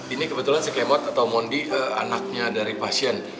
ini kebetulan si kemot atau mondi anaknya dari pasien